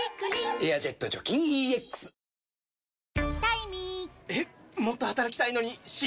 「エアジェット除菌ＥＸ」あっつ。